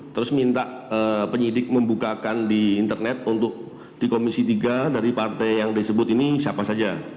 terus minta penyidik membukakan di internet untuk di komisi tiga dari partai yang disebut ini siapa saja